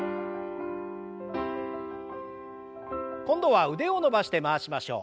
今度は腕を伸ばして回しましょう。